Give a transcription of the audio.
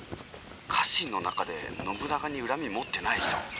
家臣の中で信長に恨み持ってない人いないです」。